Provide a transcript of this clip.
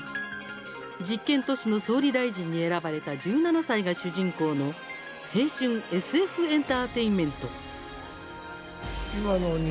実験都市の総理大臣に選ばれた１７歳が主人公の青春・ＳＦエンターテインメント。